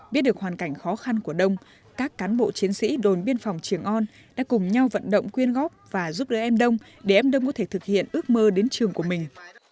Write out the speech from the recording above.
biết được hoàn cảnh khó khăn của đông các cán bộ chiến sĩ đồn biên phòng trường on đã cùng nhau vận động quyên góp và giúp đỡ em đông để em đông có thể thực hiện ước mơ đến trường của mình